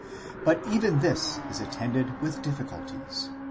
But even this is attended with difficulties.